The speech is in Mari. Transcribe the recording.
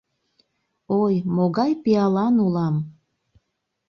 Ой, могай пиалан улам!